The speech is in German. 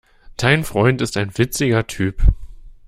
Dein Freund ist ein witziger Typ.